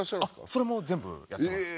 それも全部やってます。